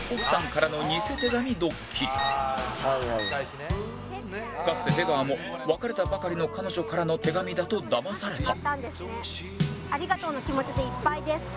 かつて出川も別れたばかりの彼女からの手紙だとだまされた